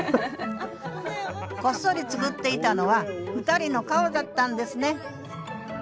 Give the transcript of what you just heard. こっそり作っていたのは２人の顔だったんですね